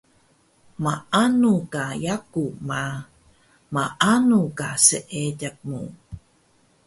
Maanu ka yaku ma, maanu ka seediq mu